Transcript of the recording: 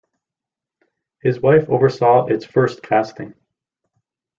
His wife oversaw its first casting.